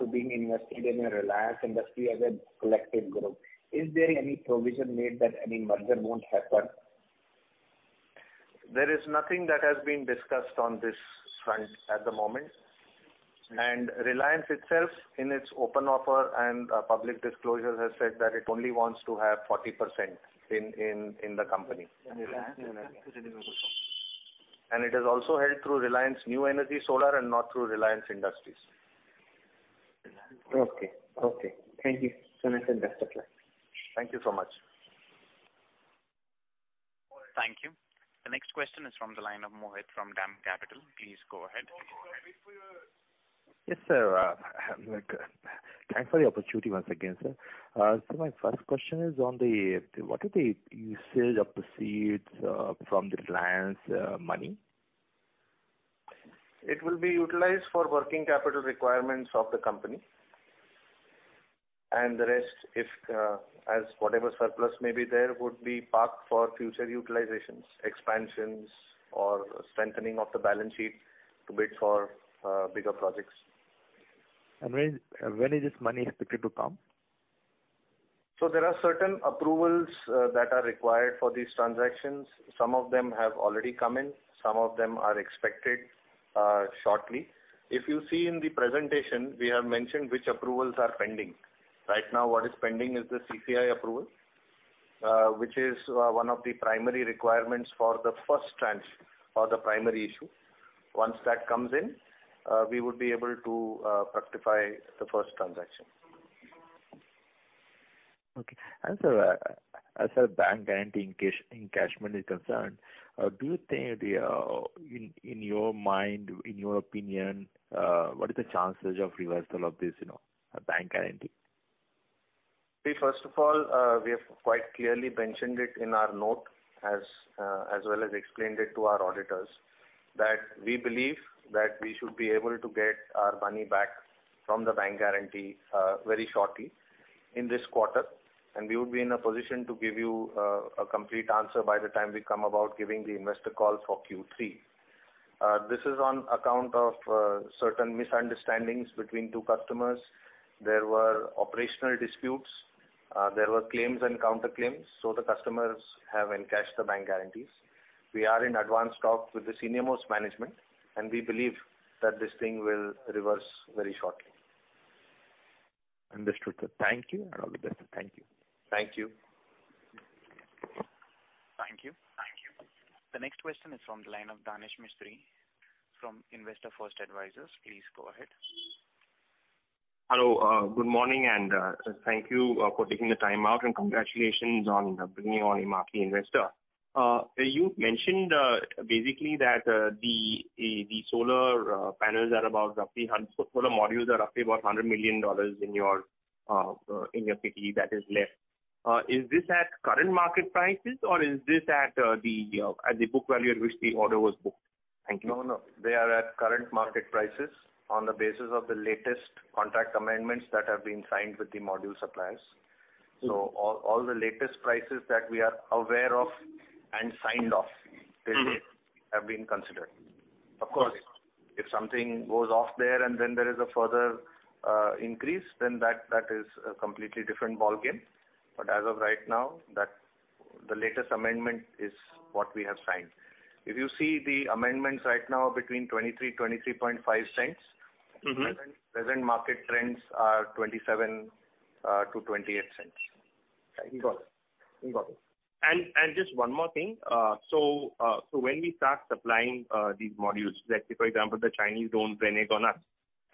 to being invested in a Reliance Industries as a collective group. Is there any provision made that any merger won't happen? There is nothing that has been discussed on this front at the moment. Reliance itself, in its open offer and public disclosure, has said that it only wants to have 40% in the company. Reliance Industries It is also held through Reliance New Energy Solar and not through Reliance Industries. Okay. Thank you. Sunita, best of luck. Thank you so much. Thank you. The next question is from the line of Mohit from DAM Capital. Please go ahead. Yes, sir. Thanks for the opportunity once again, sir. My first question is on the use of proceeds from the Reliance money? It will be utilized for working capital requirements of the company. The rest, if, as whatever surplus may be there, would be parked for future utilizations, expansions or strengthening of the balance sheet to bid for bigger projects. When is this money expected to come? There are certain approvals that are required for these transactions. Some of them have already come in, some of them are expected shortly. If you see in the presentation, we have mentioned which approvals are pending. Right now, what is pending is the CCI approval, which is one of the primary requirements for the first tranche or the primary issue. Once that comes in, we would be able to fructify the first transaction. Okay. Sir, as bank guarantee encashment is concerned, do you think in your mind, in your opinion, what is the chances of reversal of this, you know, a bank guarantee? See, first of all, we have quite clearly mentioned it in our note as well as explained it to our auditors, that we believe that we should be able to get our money back from the bank guarantee very shortly. In this quarter, and we would be in a position to give you a complete answer by the time we come about giving the investor call for Q3. This is on account of certain misunderstandings between two customers. There were operational disputes. There were claims and counterclaims. So the customers have encashed the bank guarantees. We are in advanced talks with the senior-most management, and we believe that this thing will reverse very shortly. Understood, sir. Thank you and all the best. Thank you. Thank you. Thank you. Thank you. The next question is from the line of Danesh Mistry from Investor First Advisors. Please go ahead. Hello. Good morning, and thank you for taking the time out, and congratulations on bringing on a marquee investor. You mentioned basically that the solar modules are roughly about $100 million in your PPE that is left. Is this at current market prices, or is this at the book value at which the order was booked? Thank you. No, no. They are at current market prices on the basis of the latest contract amendments that have been signed with the module suppliers. Mm-hmm. All the latest prices that we are aware of and signed off. Mm-hmm They have been considered. Of course. If something goes off there and then there is a further increase, then that is a completely different ballgame. As of right now, that the latest amendment is what we have signed. If you see the amendments right now between $0.23-$0.235. Mm-hmm. Present market trends are $0.27-$0.28. Got it. Just one more thing. When we start supplying these modules, like if, for example, the Chinese don't renege on us,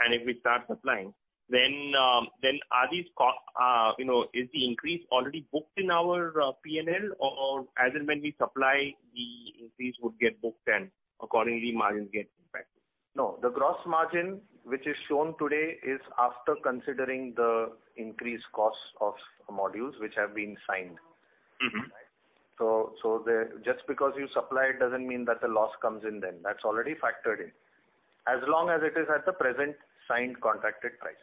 and if we start supplying, then are these—you know, is the increase already booked in our PNL? As and when we supply, the increase would get booked and accordingly margins get impacted? No, the gross margin which is shown today is after considering the increased costs of modules which have been signed. Mm-hmm. Just because you supply it doesn't mean that the loss comes in then. That's already factored in. As long as it is at the present signed contracted price.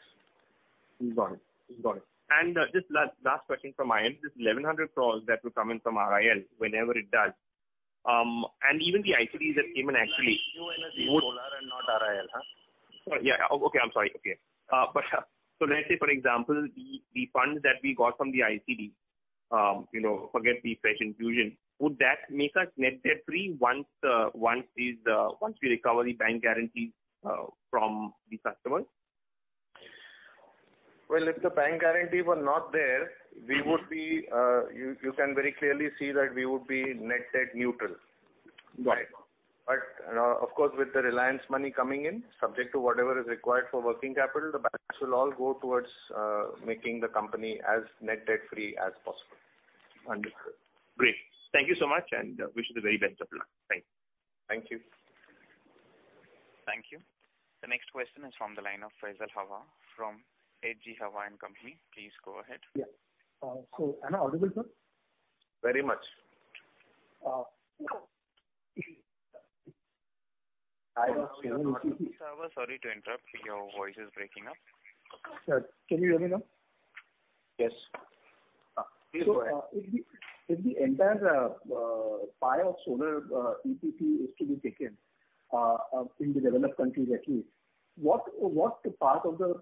Got it. Just last question from my end. This 1,100 crores that will come in from RIL whenever it does, and even the ICD that came in actually. New energy, solar and not RIL, huh? Let's say for example, the funds that we got from the ICD, you know, forget the fresh infusion. Would that make us net debt free once we recover the bank guarantees from the customers? Well, if the bank guarantee were not there, we would be, you can very clearly see that we would be net debt neutral. Got it. Of course, with the Reliance money coming in, subject to whatever is required for working capital, the banks will all go towards making the company as net debt free as possible. Understood. Great. Thank you so much, and wish you the very best of luck. Thanks. Thank you. Thank you. The next question is from the line of Faisal Hawa from H.G. Hawa and Co. Please go ahead. Yeah. Am I audible, sir? Very much. Uh. Mr. Hawawala, sorry to interrupt. Your voice is breaking up. Sir, can you hear me now? Yes. Please go ahead. If the entire pie of solar EPC is to be taken in the developed countries at least, what part of the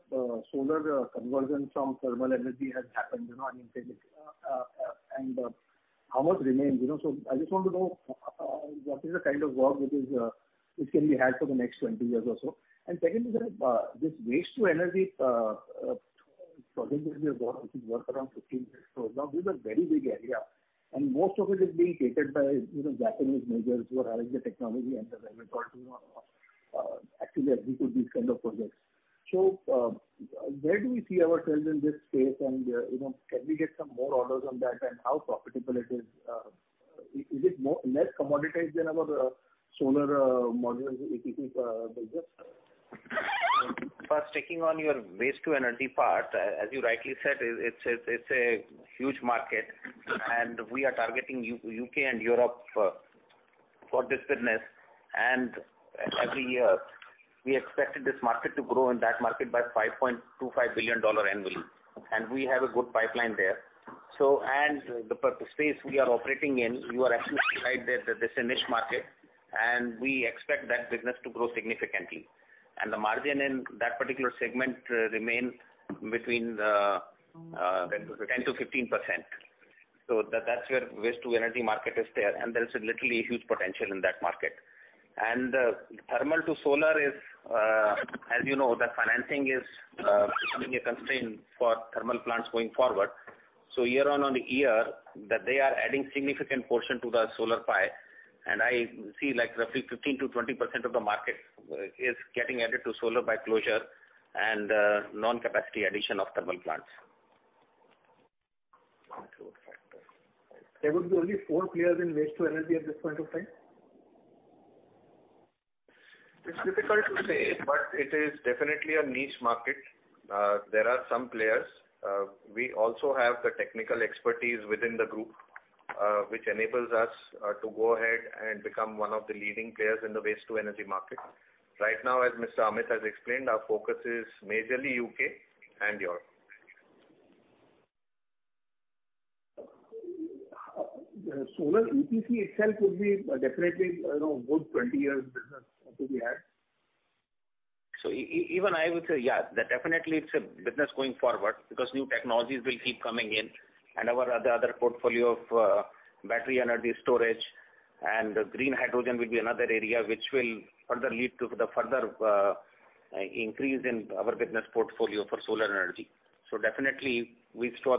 solar conversion from thermal energy has happened, you know, I mean, and how much remains, you know? I just want to know what is the kind of work which can be had for the next 20-years or so. Secondly, sir, this waste-to-energy project which you got, which is worth around 15 billion. Now, these are very big area, and most of it is being catered by, you know, Japanese majors who are having the technology and the repertoire to execute these kind of projects. where do we see ourselves in this space, and you know, can we get some more orders on that and how profitable it is? Is it more or less commoditized than our solar modules EPC business? First, taking on your waste-to-energy part, as you rightly said, it's a huge market, and we are targeting U.K. and Europe for this business. Every year, we expected this market to grow in that market by $5.25 billion annually. We have a good pipeline there. The space we are operating in, you are absolutely right that this is a niche market, and we expect that business to grow significantly. The margin in that particular segment, 10%-15%. That's where waste-to-energy market is, and there is literally huge potential in that market. Thermal to solar is, as you know, the financing is becoming a constraint for thermal plants going forward. Year-on-year, that they are adding significant portion to the solar pie, and I see like roughly 15%-20% of the market is getting added to solar by closure and non-capacity addition of thermal plants. There would be only four players in waste-to-energy at this point of time? It's difficult to say, but it is definitely a niche market. There are some players. We also have the technical expertise within the group. which enables us to go ahead and become one of the leading players in the Waste-to-Energy market. Right now, as Mr. Amit Jain has explained, our focus is majorly U.K. and Europe. The solar EPC itself would be definitely, you know, a good 20-years business to be had. Even I would say, yeah, that definitely it's a business going forward because new technologies will keep coming in, and our other portfolio of battery energy storage and green hydrogen will be another area which will further lead to the further increase in our business portfolio for solar energy. Definitely we saw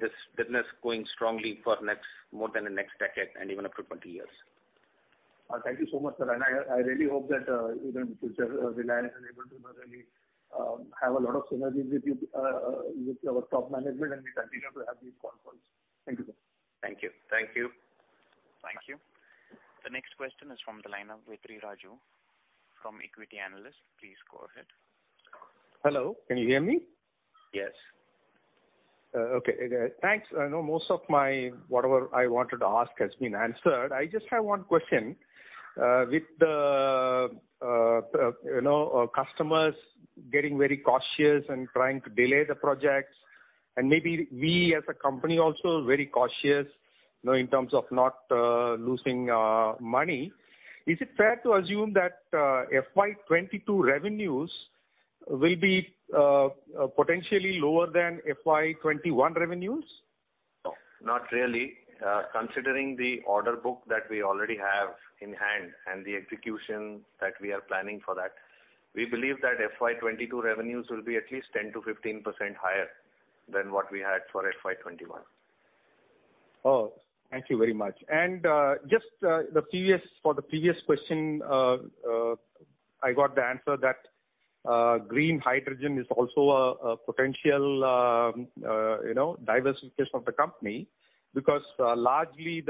this business going strongly for next more than the next decade and even up to 20-years. Thank you so much, sir, and I really hope that even future Reliance is able to really have a lot of synergies with you, with our top management, and we continue to have these Conference Calls. Thank you, sir. Thank you. Thank you. Thank you. The next question is from the line of Vetri Raju from Equity Analyst. Please go ahead. Hello, can you hear me? Yes. Okay. Thanks. I know whatever I wanted to ask has been answered. I just have one question. With the, you know, customers getting very cautious and trying to delay the projects and maybe we as a company also very cautious, you know, in terms of not losing money, is it fair to assume that FY 2022 revenues will be potentially lower than FY 2021 revenues? No, not really. Considering the order book that we already have in hand and the execution that we are planning for that, we believe that FY 2022 revenues will be at least 10%-15% higher than what we had for FY 2021. Oh, thank you very much. Just for the previous question I got the answer that Green Hydrogen is also a potential, you know, diversification of the company because largely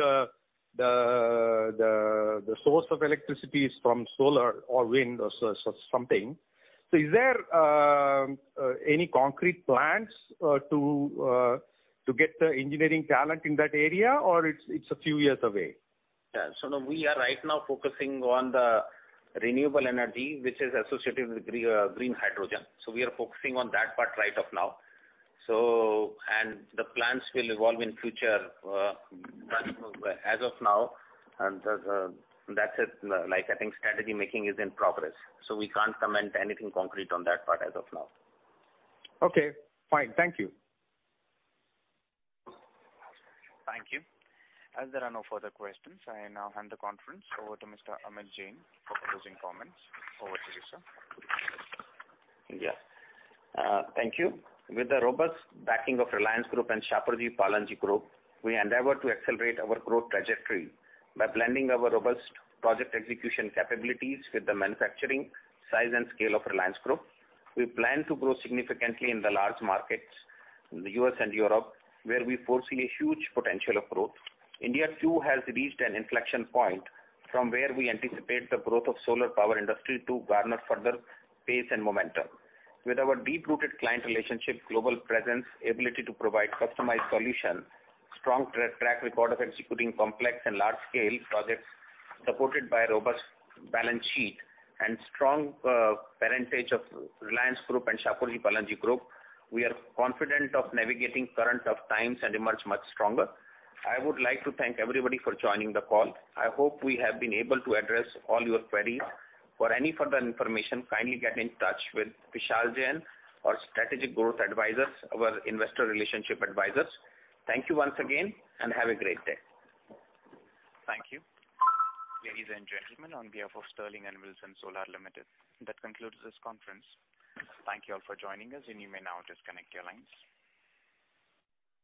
the source of electricity is from solar or wind or something. Is there any concrete plans to get the engineering talent in that area, or it's a few years away? No, we are right now focusing on the renewable energy, which is associated with Green Hydrogen. We are focusing on that part right now. The plans will evolve in future, but as of now, that's it. Like, I think strategy making is in progress, so we can't comment anything concrete on that part as of now. Okay, fine. Thank you. Thank you. As there are no further questions, I now hand the conference over to Mr. Amit Jain for closing comments. Over to you, sir. Yeah. Thank you. With the robust backing of Reliance Group and Shapoorji Pallonji Group, we endeavor to accelerate our growth trajectory by blending our robust project execution capabilities with the manufacturing size and scale of Reliance Group. We plan to grow significantly in the large markets in the U.S. and Europe, where we foresee a huge potential of growth. India too has reached an inflection point from where we anticipate the growth of solar power industry to garner further pace and momentum. With our deep-rooted client relationship, global presence, ability to provide customized solution, strong track record of executing complex and large scale projects supported by a robust balance sheet and strong parentage of Reliance Group and Shapoorji Pallonji Group, we are confident of navigating current tough times and emerge much stronger. I would like to thank everybody for joining the call. I hope we have been able to address all your queries. For any further information, kindly get in touch with Vishal Jain, our Strategic Growth Advisors, our investor relationship advisors. Thank you once again and have a great day. Thank you. Ladies and gentlemen, on behalf of Sterling and Wilson Solar Limited, that concludes this conference. Thank you all for joining us, and you may now disconnect your lines.